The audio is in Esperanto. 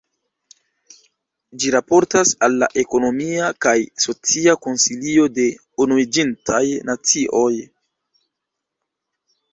Ĝi raportas al la Ekonomia kaj Socia Konsilio de Unuiĝintaj Nacioj.